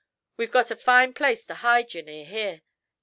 We've got a fine place to hide ye, near here.